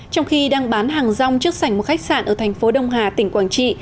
trong khi đang bán hàng rong trước sảnh một khách sạn ở thành phố đông hà tỉnh quảng trị